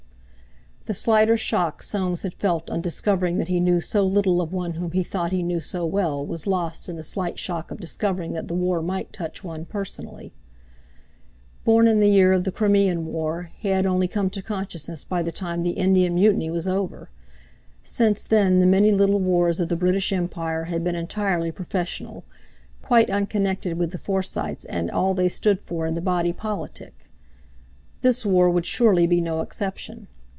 The slighter shock Soames had felt on discovering that he knew so little of one whom he thought he knew so well was lost in the slight shock of discovering that the war might touch one personally. Born in the year of the Crimean War, he had only come to consciousness by the time the Indian Mutiny was over; since then the many little wars of the British Empire had been entirely professional, quite unconnected with the Forsytes and all they stood for in the body politic. This war would surely be no exception.